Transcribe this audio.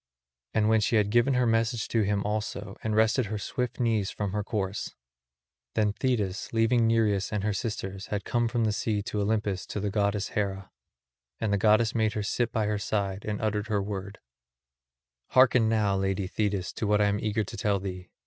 And when she had given her message to him also and rested her swift knees from her course, then Thetis leaving Nereus and her sisters had come from the sea to Olympus to the goddess Hera; and the goddess made her sit by her side and uttered her word: "Hearken now, lady Thetis, to what I am eager to tell thee.